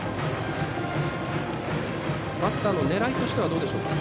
バッターの狙いとしてはどうでしょうか。